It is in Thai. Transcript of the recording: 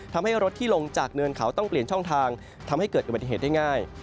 ทำให้รถที่ลงจากเนินเขาต้องเปลี่ยนช่องทางทำให้เกิดอุบัติเหตุได้ง่าย